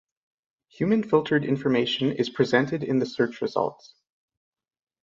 Human filtered information is presented in the search results.